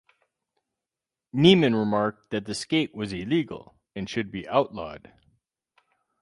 Niemann remarked that the skate was illegal, and should be outlawed.